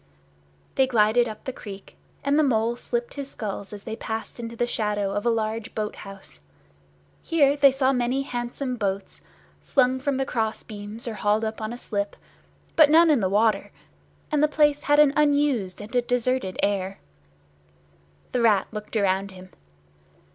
They glided up the creek, and the Mole shipped his sculls as they passed into the shadow of a large boat house. Here they saw many handsome boats, slung from the cross beams or hauled up on a slip, but none in the water; and the place had an unused and a deserted air. The Rat looked around him.